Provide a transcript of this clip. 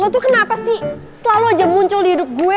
lo tuh kenapa sih selalu aja muncul di hidup gue